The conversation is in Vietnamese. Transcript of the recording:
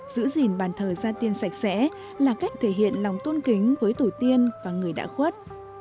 giữ gìn bàn thờ gia tiên sạch sẽ là cách thể hiện lòng tôn kính với tổ tiên và người đã khuất